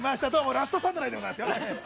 ラストサムライでございますよ。